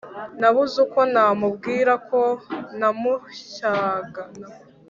nabuze uko namubwira ko namushyaga